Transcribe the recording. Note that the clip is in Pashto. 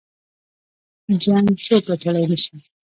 جـنګ څوك ګټلی نه شي